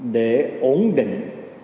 để ổn định